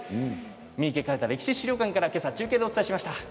三池カルタ・歴史資料館から中継でお伝えしました。